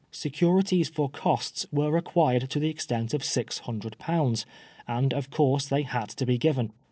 Securities for costs were required to the extent of six hundred pounds, and of course they had to be given.